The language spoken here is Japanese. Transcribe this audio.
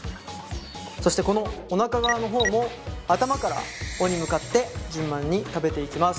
そしてこのおなか側の方も頭から尾に向かって順番に食べていきます。